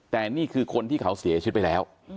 แต่นี่คือคนที่เขาเสียชีวิตไปแล้ว